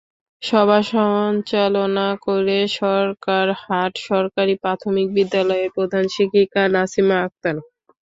সভা সঞ্চালনা করেন সরকারহাট সরকারি প্রাথমিক বিদ্যালয়ের প্রধান শিক্ষিকা নাছিমা আক্তার।